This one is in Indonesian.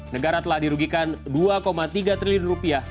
negara telah dirugikan rp dua tiga triliun